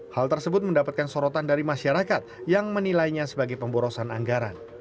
hal tersebut mendapatkan sorotan dari masyarakat yang menilainya sebagai pemborosan anggaran